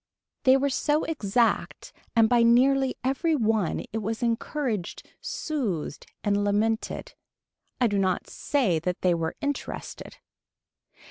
They were so exact and by nearly every one it was encouraged soothed and lamented. I do not say that they were interested.